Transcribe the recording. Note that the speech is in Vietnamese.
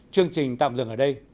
chương trình tạm dừng ở đây